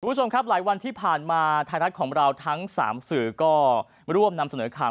คุณผู้ชมครับหลายวันที่ผ่านมาไทยรัฐของเราทั้ง๓สื่อก็ร่วมนำเสนอข่าว